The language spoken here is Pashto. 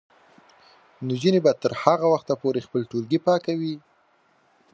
نجونې به تر هغه وخته پورې خپل ټولګي پاکوي.